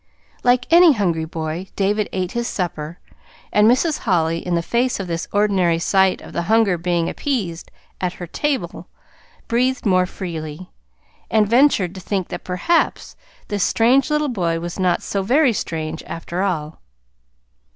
Like any hungry boy David ate his supper; and Mrs. Holly, in the face of this very ordinary sight of hunger being appeased at her table, breathed more freely, and ventured to think that perhaps this strange little boy was not so very strange, after all.